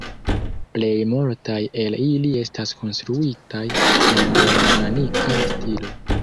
Plej multaj el ili estas konstruitaj en romanika stilo.